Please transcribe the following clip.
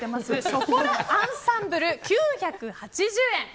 ショコラアンサンブル、９８０円。